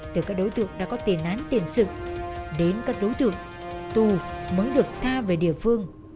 từ các đối tượng đã có tiền án tiền sự đến các đối tượng tù mới được tha về địa phương